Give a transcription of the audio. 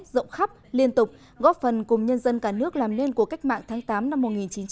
rộng khắp liên tục góp phần cùng nhân dân cả nước làm lên của cách mạng tháng tám năm một nghìn chín trăm bốn mươi năm